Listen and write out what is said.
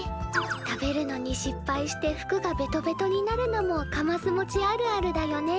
食べるのに失敗して服がベトベトになるのもかますもちあるあるだよね。